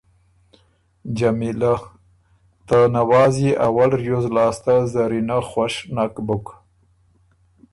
جمیلۀ: ته نواز يې اول ریوز لاسته زرینه خوش نک بُک